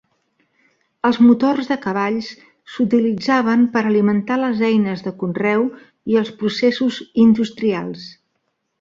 Els motors de cavalls s"utilitzaven per alimentar les eines de conreu i els processos industrials.